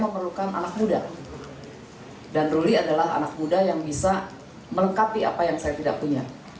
memerlukan anak muda dan ruli adalah anak muda yang bisa melengkapi apa yang saya tidak punya